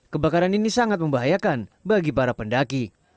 kebakaran ini sangat membahayakan bagi para pendaki